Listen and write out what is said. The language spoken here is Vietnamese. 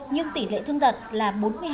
nhưng tỷ lệ thương tật là bốn mươi hai